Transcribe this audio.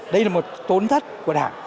đây là một tốn thất của đảng